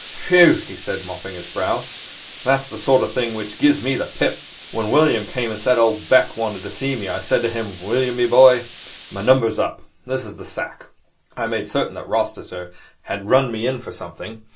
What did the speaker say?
'Whew!' he said, mopping his brow. 'That's the sort of thing which gives me the pip. When William came and said old Bick wanted to see me, I said to him, "William, my boy, my number is up. This is the sack." I made certain that Rossiter had run me in for something.